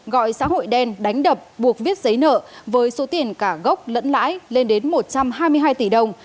gọi xã hội đen đánh đập buộc viết giấy nợ với số tiền cả gốc lẫn lãi lên đến một trăm hai mươi hai tỷ đồng